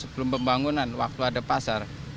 sebelum pembangunan waktu ada pasar